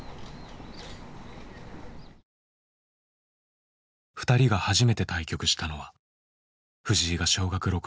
２人が初めて対局したのは藤井が小学６年生の時。